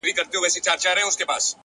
پوهه د شکونو ځای یقین ته ورکوي,